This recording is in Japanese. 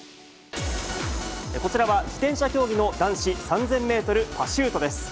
こちらは自転車競技の男子３０００メートルパシュートです。